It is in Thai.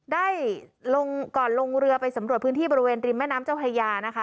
ได้ลงก่อนลงเรือไปสำรวจพื้นที่บริเวณริมแม่น้ำเจ้าพระยานะคะ